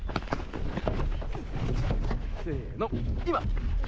せの今！